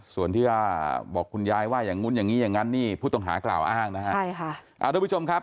ส่วนที่บอกคุณยายว่าอย่างนู้นอย่างนี้อย่างนั้นผู้ต้องหากล่าวอ้างนะครับ